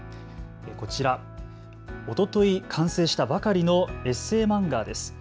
こちら、おととい完成したばかりのエッセー漫画です。